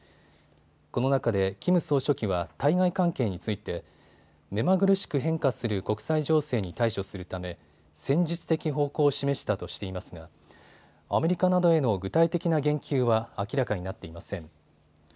この中でキム総書記は対外関係について目まぐるしく変化する国際情勢に対処するため戦術的方向を示したとしていますがアメリカなどへの具体的な言及は明らかになっていません。